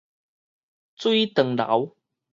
水長流